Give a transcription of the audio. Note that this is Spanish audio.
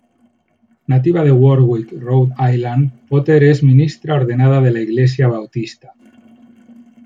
Nativa de Warwick, Rhode Island, Potter es ministra ordenada de la iglesia bautista.